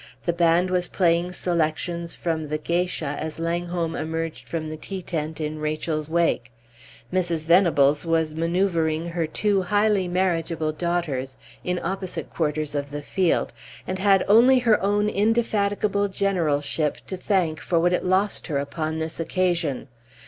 The band was playing selections from The Geisha as Langholm emerged from the tea tent in Rachel's wake. Mrs. Venables was manoeuvring her two highly marriageable girls in opposite quarters of the field, and had only her own indefatigable generalship to thank for what it lost her upon this occasion.